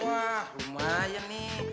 wah lumayan nih